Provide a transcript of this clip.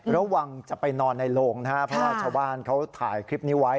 ระวังจะไปนอนในโรงนะครับเพราะว่าชาวบ้านเขาถ่ายคลิปนี้ไว้